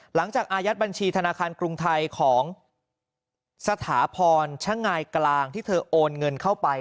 อายัดบัญชีธนาคารกรุงไทยของสถาพรชะงายกลางที่เธอโอนเงินเข้าไป